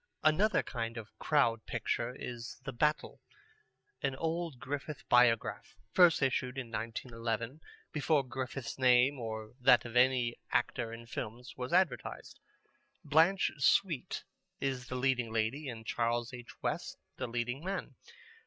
Another kind of Crowd Picture is The Battle, an old Griffith Biograph, first issued in 1911, before Griffith's name or that of any actor in films was advertised. Blanche Sweet is the leading lady, and Charles H. West the leading man.